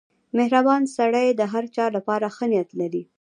• مهربان سړی د هر چا لپاره ښه نیت لري.